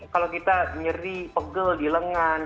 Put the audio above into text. kalau kita nyeri pegel di lengan